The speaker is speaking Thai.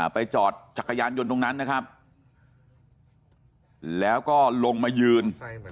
ไปจอดจักรยานยนต์ตรงนั้นนะครับแล้วก็ลงมายืน